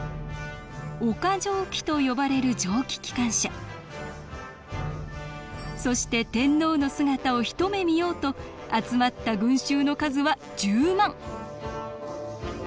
陸蒸気と呼ばれる蒸気機関車そして天皇の姿を一目見ようと集まった群集の数は１０万！